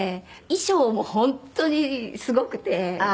衣装も本当にすごくて。